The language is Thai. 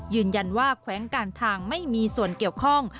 ยืนยันว่าแขวงการทางไม่มีส่วนเกี่ยวข้อง